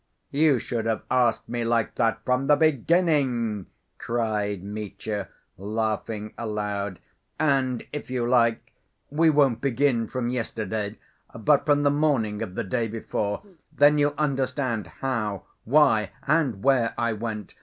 "You should have asked me like that from the beginning," cried Mitya, laughing aloud, "and, if you like, we won't begin from yesterday, but from the morning of the day before; then you'll understand how, why, and where I went.